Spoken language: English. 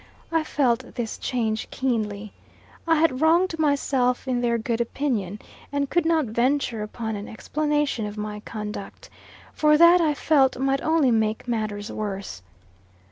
I felt this change keenly. I had wronged myself in their good opinion; and could not venture upon an explanation of my conduct; for that, I felt, might only make matters worse.